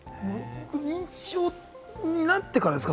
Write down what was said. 認知症になってからですか？